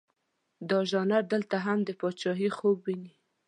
دا ژانر دلته هم د پاچهي خوب ویني.